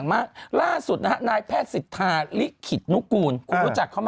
มีนะเนอะรับ